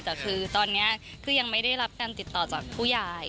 แต่คือตอนนี้คือยังไม่ได้รับการติดต่อจากผู้ใหญ่